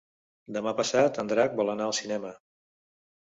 Demà passat en Drac vol anar al cinema.